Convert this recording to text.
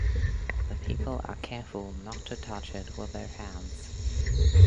The people are careful not to touch it with their hands.